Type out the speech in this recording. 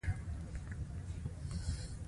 کېبل مو خوښ دی.